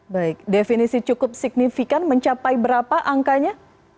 baik definisi cukup signifikan mencapai berapa angkanya